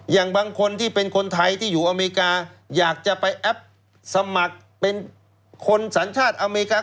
อย่างบางคนที่เป็นคนไทยที่อยู่อเมริกาอยากจะไปแอปสมัครเป็นคนสัญชาติอเมริกา